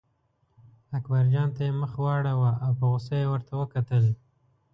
اکبرجان ته یې مخ واړاوه او په غوسه یې ورته وکتل.